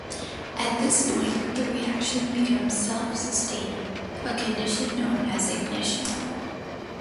At this point the reaction becomes self-sustaining, a condition known as ignition.